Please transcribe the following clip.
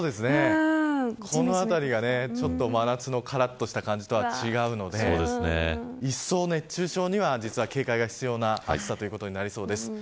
このあたりが真夏のからっとした感じとは違うので一層、熱中症には警戒が必要な暑さということになりそうです。